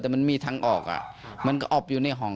แต่มันมีทั้งอกอ่ะมันก็อ๊อบอยู่ในห่อง